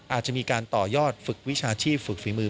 อาจจะมีการต่อยอดฝึกวิชาชีพฝึกฝีมือ